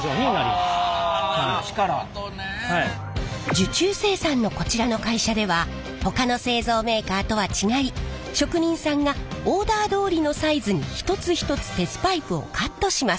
受注生産のこちらの会社ではほかの製造メーカーとは違い職人さんがオーダーどおりのサイズに一つ一つ鉄パイプをカットします。